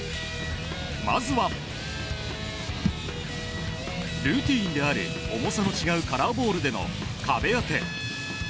まずはルーティンである重さの違うカラーボールでの壁当て。